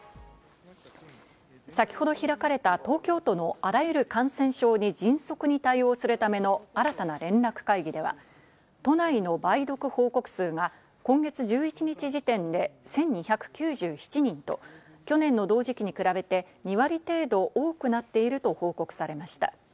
先ほど開かれた東京都のあらゆる感染症に迅速に対応するための新たな連絡会議では、都内の梅毒報告数が今月１１日時点で１２９７人と、去年の同時期に比べて２割程度多くなっていると報告されました。